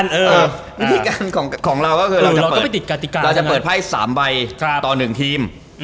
วิธีการของเราก็คือเราจะเปิดไพ่๓ใบต่อ๑ทีม